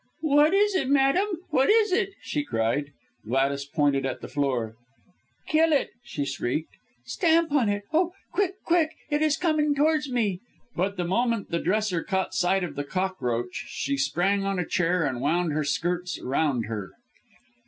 "What is it, madam? What is it?" she cried. Gladys pointed at the floor. "Kill it!" she shrieked. "Stamp on it! Oh, quick, quick, it is coming towards me." But the moment the dresser caught sight of the cockroach, she sprang on a chair and wound her skirts round her.